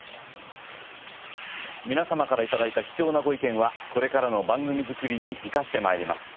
皆様から頂いた貴重なご意見はこれからの番組作りに生かして参ります。